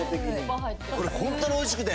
これほんとにおいしくて。